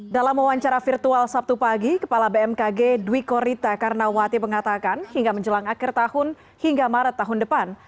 dalam wawancara virtual sabtu pagi kepala bmkg dwi korita karnawati mengatakan hingga menjelang akhir tahun hingga maret tahun depan